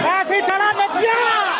kasih jalan media